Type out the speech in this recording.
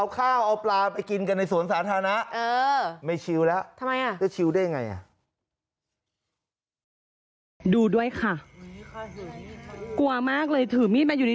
สาวประเภทสองจะไปชิลกับเพื่อนซะหน่อย